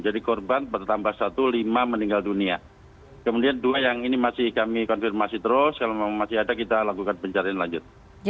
jadi korban bertambah satu lima meninggal dunia kemudian dua yang ini masih kami konfirmasi terus kalau masih ada kita lakukan pencarian lanjut